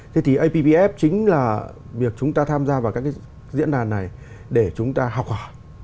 thế thì appf chính là việc chúng ta tham gia vào các cái diễn đàn này để chúng ta học hỏi